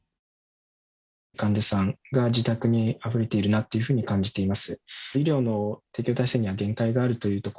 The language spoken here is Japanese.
患者さんが自宅にあふれているなっていうふうに感じておりま